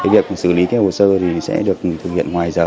việc xử lý theo hồ sơ sẽ được thực hiện ngoài giờ